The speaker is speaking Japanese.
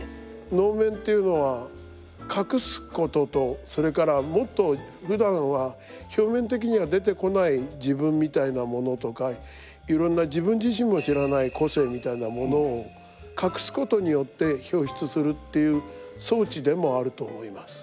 能面というのは隠すこととそれからもっとふだんは表面的には出てこない自分みたいなものとかいろんな自分自身も知らない個性みたいなものを隠すことによって表出するっていう装置でもあると思います。